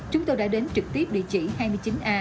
chúng tôi đã đến trực tiếp địa chỉ hai mươi chín a